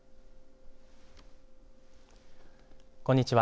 こんにちは。